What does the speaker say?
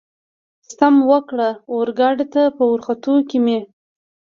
ستم وکړ، اورګاډي ته په ورختو کې مې.